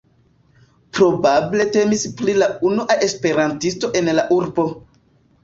Probable temis pri la unua esperantisto en la urbo.